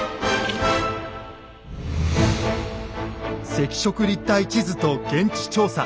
赤色立体地図と現地調査。